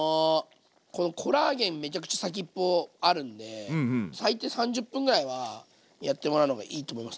このコラーゲンめちゃくちゃ先っぽあるんで最低３０分ぐらいはやってもらうのがいいと思います。